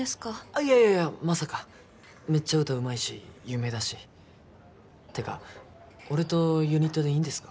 いやいやいやまさかめっちゃ歌うまいし有名だしてか俺とユニットでいいんですか？